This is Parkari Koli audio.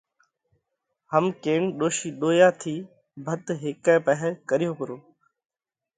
هم ڪينَ ڏوشِي ڏويا ٿِي ڀت هيڪئہ پاهئہ ڪريو پرو